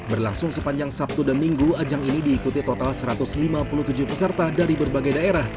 berlangsung sepanjang sabtu dan minggu ajang ini diikuti total satu ratus lima puluh tujuh peserta dari berbagai daerah